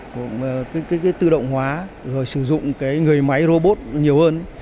cái tự động hóa rồi sử dụng cái người máy robot nhiều hơn